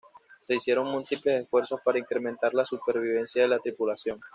Se hicieron múltiples esfuerzos para incrementar la supervivencia de la tripulación.